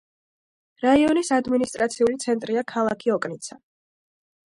რაიონის ადმინისტრაციული ცენტრია ქალაქი ოკნიცა.